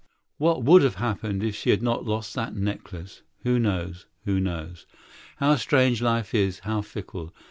What would have happened if she had not lost that necklace? Who knows? who knows? How strange and changeful is life!